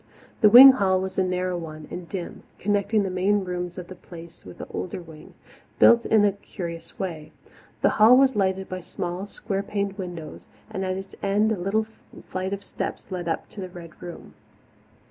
The wing hall was a narrow one and dim, connecting the main rooms of the Place with an older wing, built in a curious way. The hall was lighted by small, square paned windows, and at its end a little flight of steps led up to the Red Room.